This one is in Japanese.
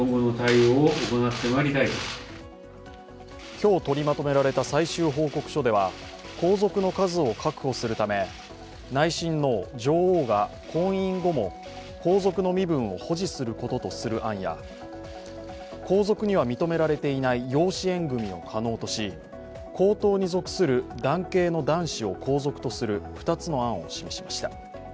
今日取りまとめられた最終報告書では皇族の数を確保するため、内親王・女王が婚姻後も皇族の身分を保持することとする案や皇族には認められていない養子縁組を可能とし皇統に属する男系の男子を皇族とする２つの案を示しました。